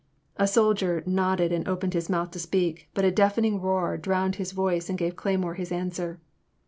A soldier nodded and opened his mouth to speak, but a deafening roar drowned his voice and gave Cleymore his answer.